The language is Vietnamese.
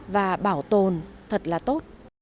và bảo tồn thật là tốt